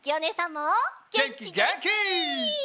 げんきげんき！